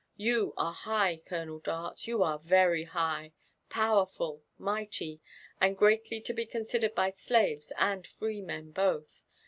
Ymi are high, €olonel Dart— < you are very high, powerful, mi^ty, and greatly to be considered by slaves and freemen both.